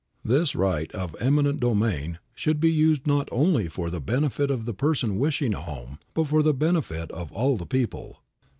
This right of eminent domain should be used not only for the benefit of the person wishing a home, but for the benefit of all the people.